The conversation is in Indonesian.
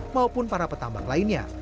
maupun para petambang lainnya